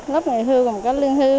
lớp nghề hưu còn có lương hưu